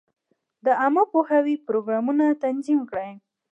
د عامه پوهاوي پروګرامونه تنظیم کړي.